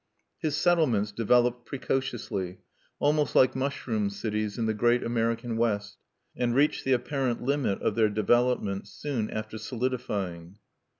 His settlements developed precociously, almost like "mushroom cities" in the great American West, and reached the apparent limit of their development soon after solidifying.